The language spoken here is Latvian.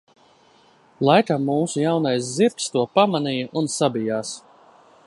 Laikam mūsu jaunais zirgs to pamanīja un sabijās.